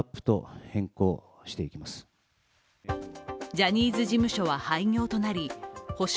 ジャニーズ事務所は廃業となり補償